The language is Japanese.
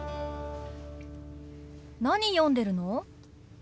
何読んでるの？